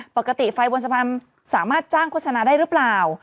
ปกติไฟบนสะพานสามารถจ้างโฆษณาได้หรือเปล่า